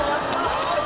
よし！